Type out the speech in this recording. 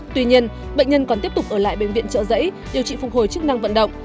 tuy nhiên bệnh nhân còn tiếp tục ở lại bệnh viện trợ giấy điều trị phục hồi chức năng vận động